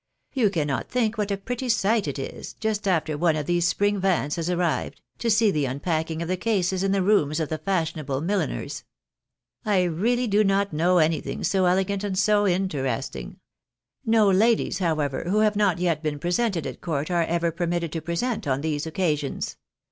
You cannot think what a pretty sight it is, just after one of these spring vans has arrived, to see the unpacking of the cases in the rooms of the fashionable milliners ! I really do not know anything so elegant and so interesting ! No ladies, however, who have not been pre sented at court, are ever permitted to be present on these occasions.